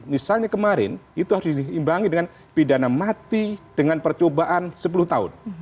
misalnya kemarin itu harus diimbangi dengan pidana mati dengan percobaan sepuluh tahun